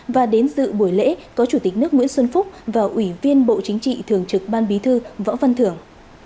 và đến dự buổi lễ có chủ tịch nước nguyễn xuân phúc và ủy viên bộ chính trị thường trực ban bí thư võ văn thưởng